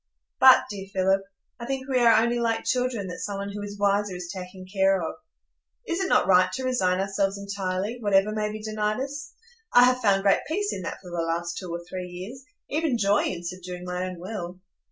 But, dear Philip, I think we are only like children that some one who is wiser is taking care of. Is it not right to resign ourselves entirely, whatever may be denied us? I have found great peace in that for the last two or three years, even joy in subduing my own will."